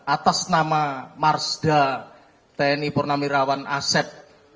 atas nama marsda tni purnamirawan aset